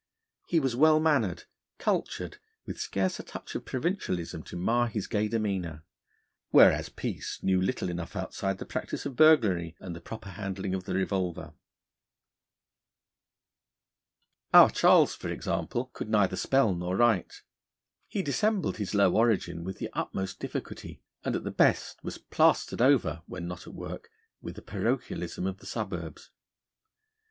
He was well mannered, cultured, with scarce a touch of provincialism to mar his gay demeanour: whereas Peace knew little enough outside the practice of burglary, and the proper handling of the revolver. Our Charles, for example, could neither spell nor write; he dissembled his low origin with the utmost difficulty, and at the best was plastered over (when not at work) with the parochialism of the suburbs.